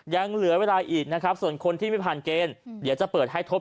ยังเหลือเวลาอีกนะครับ